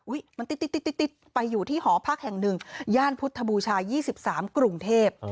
อุ๊ยมันติดไปอยู่ที่หอพักแห่งหนึ่งย่านพุทธบูชายี่สิบสามกรุงเทพฯ